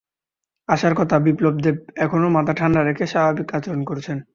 আশার কথা, বিপ্লব দেব এখনো মাথা ঠান্ডা রেখে স্বাভাবিক আচরণ করছেন।